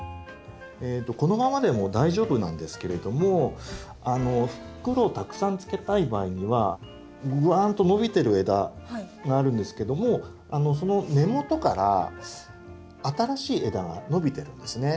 このままでも大丈夫なんですけれども袋をたくさんつけたい場合にはぐわんと伸びてる枝があるんですけどもその根元から新しい枝が伸びてるんですね